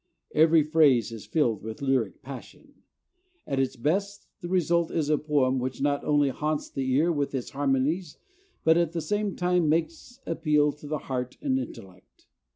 Every phrase is filled with lyric passion. At its best, the result is a poem which not only haunts the ear with its harmonies but at the same time makes appeal to the heart and intellect.